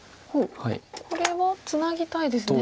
これはツナぎたいですね。